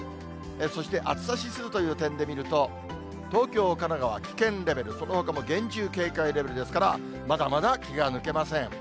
そして暑さ指数という点で見ると、東京、神奈川、危険レベル、そのほかも厳重警戒レベルですから、まだまだ気が抜けません。